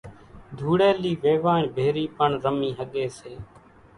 ڌوڙيلي ويواڻ ڀيري پڻ رمي ۿڳي سي۔